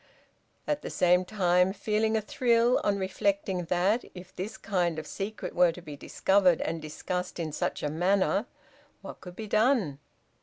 At the same time feeling a thrill on reflecting that, if this kind of secret were to be discovered and discussed in such a manner, what could be done.